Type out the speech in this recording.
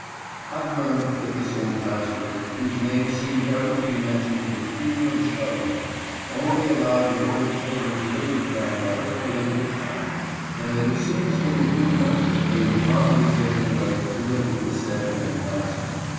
I learned that this old master, whose name seemed ever to be mentioned with fear and shuddering, only allowed the little children to live with grandmother for a limited time, and that as soon as they were big enough they were promptly taken away to live with the said old master.